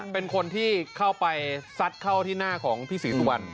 เป็นคนที่เข้าไปซัดเข้าที่หน้าของพี่ศรีสุวรรณ